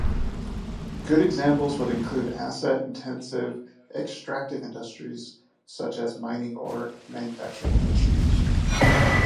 Good examples would include asset-intensive extractive industries such as mining, or manufacturing industries.